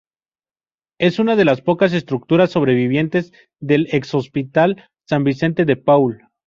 Es una de las pocas estructuras sobrevivientes del ex Hospital San Vicente de Paul.